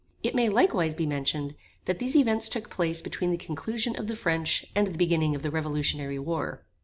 It may likewise be mentioned, that these events took place between the conclusion of the French and the beginning of the revolutionary war.